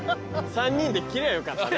３人で着りゃよかったね！